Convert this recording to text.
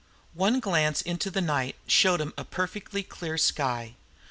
One glance into the night showed him a perfectly clear sky.